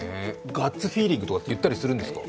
ガッツフィーリングとか言ったりするんですか？